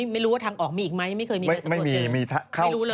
ไม่รู้ว่าทางออกมีอีกไหมไม่เคยมีใครสะกดเจอ